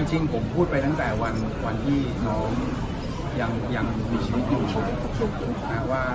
จริงผมพูดไปตั้งแต่วันที่น้องยังมีชีวิตอยู่นะว่า